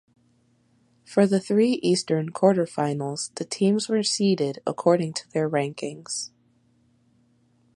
For the three eastern Quarterfinals the teams were seeded according to their rankings.